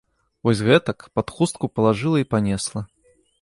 Вось гэтак, пад хустку палажыла і панесла.